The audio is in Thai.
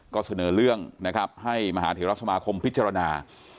ก็เสนอเรื่องนะครับให้มหาเทราสมาคมพิจารณา